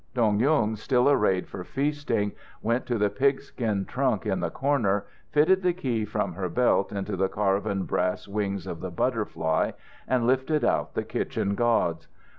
Dong Yung, still arrayed for feasting, went to the pigskin trunk in the corner, fitted the key from her belt into the carven brass wings of the butterfly, and lifted out the kitchen gods.